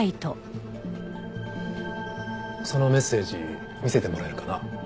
そのメッセージ見せてもらえるかな？